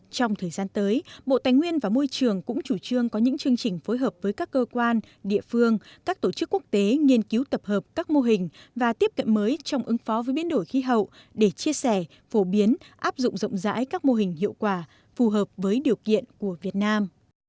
trong thời gian tới bộ tài nguyên và môi trường cũng chủ trương có những chương trình phối hợp với các cơ quan địa phương các tổ chức quốc tế nghiên cứu tập hợp các mô hình và tiếp cận mới trong ứng phó với biến đổi khí hậu để chia sẻ phổ biến áp dụng rộng rãi các mô hình hiệu quả phù hợp với điều kiện của việt nam